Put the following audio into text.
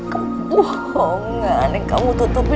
kebohongan yang kamu tutupi